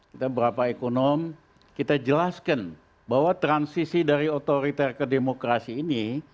kita berapa ekonom kita jelaskan bahwa transisi dari otoriter ke demokrasi ini